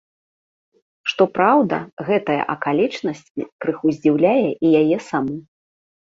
Што праўда, гэтая акалічнасць крыху здзіўляе і яе саму.